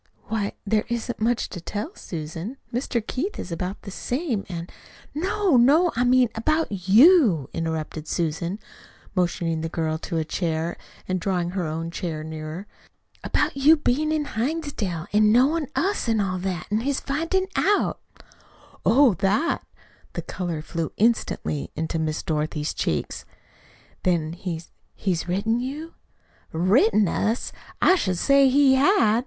"Why, there isn't much to tell, Susan. Mr. Keith is about the same, and " "No, no, I mean about YOU" interrupted Susan, motioning the girl to a chair, and drawing her own chair nearer. "About your bein' in Hinsdale an' knowin' us, an' all that, an' his finding it out." "Oh, THAT!" The color flew instantly into Miss Dorothy's cheeks. "Then he's he's written you?" "Written us! I should say he had!